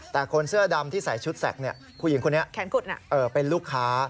แต่คนเสื้อดำที่ใส่ชุดแสกผู้หญิงคนนี้เป็นลูกค้า